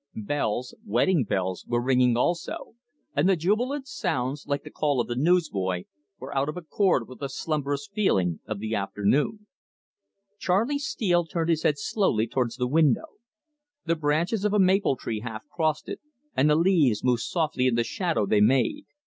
Bells wedding bells were ringing also, and the jubilant sounds, like the call of the newsboy, were out of accord with the slumberous feeling of the afternoon. Charley Steele turned his head slowly towards the window. The branches of a maple tree half crossed it, and the leaves moved softly in the shadow they made.